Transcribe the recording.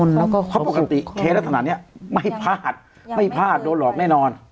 เพราะปกติเคสลักษณะนี้ไม่พลาดไม่พลาดโดนหลอกแน่นอน